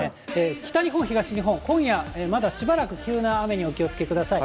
北日本、東日本、今夜、まだしばらく急な雨にお気をつけください。